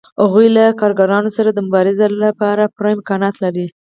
هغوی له کارګرانو سره د مبارزې لپاره پوره امکانات لري